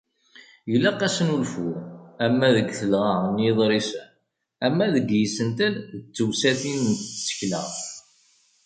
Ilaq asnulfu ama deg talɣa n yiḍrisen ama deg yisental d tewsatin n tsekla.